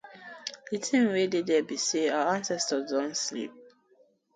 Di tin wey dey dere bi say our ancestors don sleep.